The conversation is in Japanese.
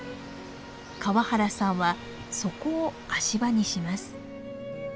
川原さんはそこを足場にします。